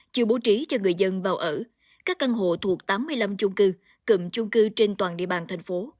chưa bố trí cho người dân vào ở các căn hộ thuộc tám mươi năm chung cư cầm chung cư trên toàn địa bàn thành phố